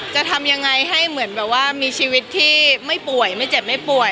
จะทำยังไงให้ให้มีชีวิตที่ไม่เป็นเจ็บไม่ป่วย